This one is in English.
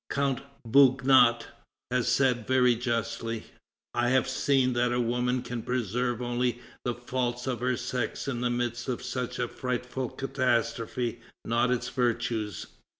Count Beugnot has said very justly: "I have seen that a woman can preserve only the faults of her sex in the midst of such a frightful catastrophe, not its virtues.